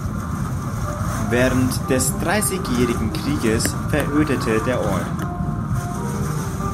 Während des Dreißigjährigen Krieges verödete der Ort.